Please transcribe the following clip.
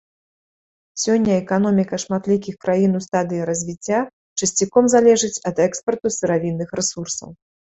Сёння эканоміка шматлікіх краін у стадыі развіцця часцяком залежыць ад экспарту сыравінных рэсурсаў.